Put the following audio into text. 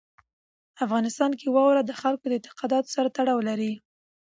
افغانستان کې واوره د خلکو د اعتقاداتو سره تړاو لري.